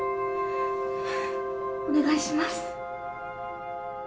お願いします。